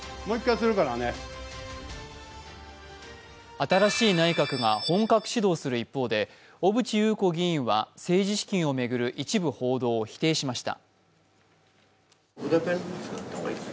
新しい内閣が本格指導する一方で小渕優子議員は政治資金を巡る一部報道を否定しました。